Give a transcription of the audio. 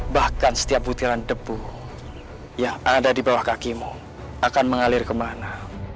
bahkan setiap butiran debu yang ada di bawah kakimu akan mengalir kemana